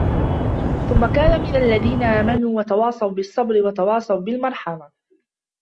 ثُمَّ كَانَ مِنَ الَّذِينَ آمَنُوا وَتَوَاصَوْا بِالصَّبْرِ وَتَوَاصَوْا بِالْمَرْحَمَةِ